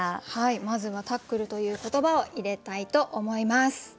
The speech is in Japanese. まずは「タックル」という言葉を入れたいと思います。